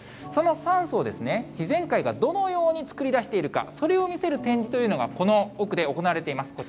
その酸素をですね、自然界がどのように作り出しているか、それを見せる展示というのが、この奥で行われています。